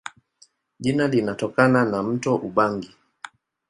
Jina linatokana na mto Ubangi.